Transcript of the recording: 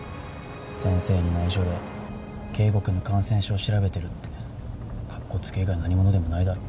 先生に内緒で圭吾君の感染症調べてるってカッコつけ以外何物でもないだろ。